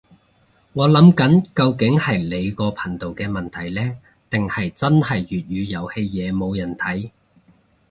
我諗緊究竟係你個頻道嘅問題呢，定係真係粵語遊戲嘢冇人睇